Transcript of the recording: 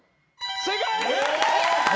正解！